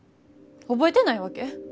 覚えてないわけ？